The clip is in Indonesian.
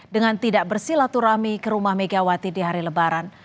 dengan tidak bersilaturahmi ke rumah megawati di hari lebaran